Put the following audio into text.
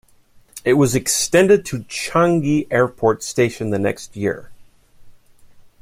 It was extended to Changi Airport station the next year.